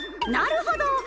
なるほど！